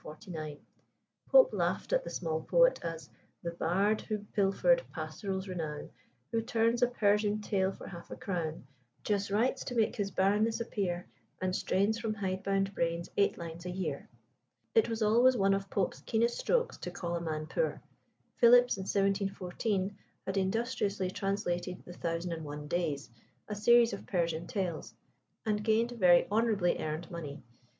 Pope laughed at the small poet as "The bard whom pilfered Pastorals renown, Who turns a Persian tale for half a crown, Just writes to make his barrenness appear, And strains from hide bound brains eight lines a year." It was always one of Pope's keenest strokes to call a man poor. Philips, in 1714, had industriously translated the Thousand and One Days, a series of Persian tales, and gained very honourably earned money.